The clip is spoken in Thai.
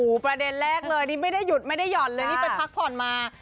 ประเด็นแรกเลยนี่ไม่ได้หยุดไม่ได้ห่อนเลยนี่ไปพักผ่อนมา